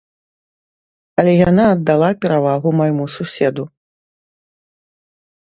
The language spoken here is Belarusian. Але яна аддала перавагу майму суседу.